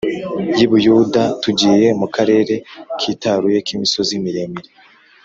y i Buyuda tugiye mu karere kitaruye k imisozi miremire